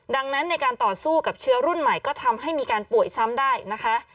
ดังนั้นในการต่อสู้กับเชื้อรุ่นใหม่ก็ทำให้มีการป่วยซ้ำได้นะคะ